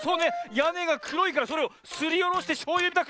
やねがくろいからそれをすりおろしてしょうゆみたく。